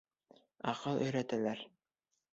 Аҡыл өйрәтәләр.